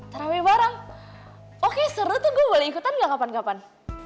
terawih bareng oke seru tuh gue boleh ikutan gak kapan kapan